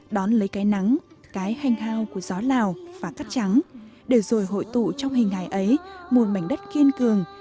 đón lấy cái nắng cái hanh hao của gió lào và cắt trắng để rồi hội tụ trong hình hài ấy một mảnh đất kiên cường